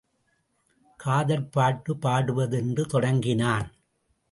காதற் பாட்டுப் பாடுவது என்று தொடங்கினான்.